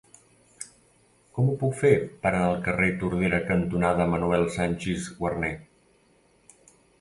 Com ho puc fer per anar al carrer Tordera cantonada Manuel Sanchis Guarner?